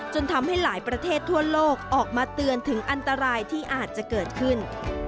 ทำให้หลายประเทศทั่วโลกออกมาเตือนถึงอันตรายที่อาจจะเกิดขึ้น